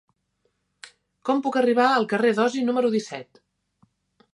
Com puc arribar al carrer d'Osi número disset?